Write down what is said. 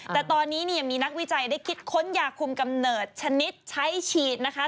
แต่ตอนนี้เนี่ยมีนักวิจัยได้คิดค้นยาคุมกำเนิดชนิดใช้ฉีดนะคะ